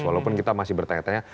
walaupun kita masih bertanya tanya